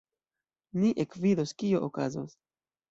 Ni ekvidos, kio okazos.